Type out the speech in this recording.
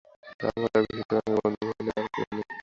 তাহার মতো এমন হিতাকাঙ্ক্ষী বন্ধু মহিনের আর কেহ নাই।